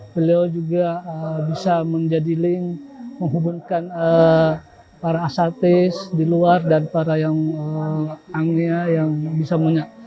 beliau juga bisa menjadi link menghubungkan para asatis di luar dan para yang anggea yang bisa punya